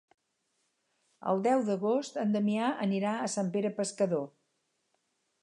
El deu d'agost en Damià anirà a Sant Pere Pescador.